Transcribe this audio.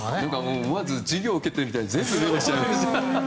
思わず授業を受けているみたいにメモしてます。